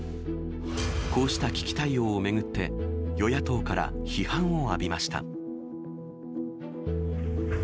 こうした危機対応を巡って、与野党から批判を浴びました。